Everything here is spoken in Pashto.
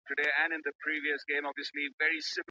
ولي زیارکښ کس د با استعداده کس په پرتله لاره اسانه کوي؟